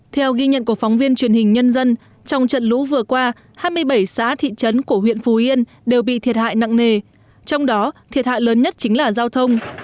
theo ghi nhận của phóng viên truyền hình nhân dân trong trận lũ vừa qua hai mươi bảy xã thị trấn của huyện phú yên đều bị thiệt hại nặng nề trong đó thiệt hại lớn nhất chính là giao thông